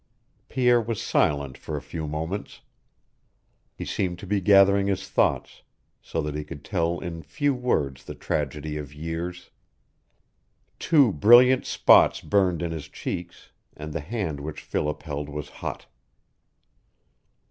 Pierre was silent for a few moments. He seemed to be gathering his thoughts, so that he could tell in few words the tragedy of years. Two brilliant spots burned in his cheeks, and the hand which Philip held was hot.